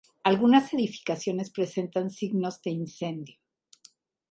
Algunas edificaciones presentan signos de incendio.